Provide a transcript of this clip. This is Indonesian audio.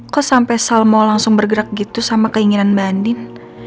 kok sampai salmo langsung bergerak gitu sama keinginan mbak andin